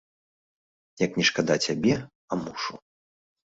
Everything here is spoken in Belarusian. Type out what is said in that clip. Як не шкада цябе, а мушу.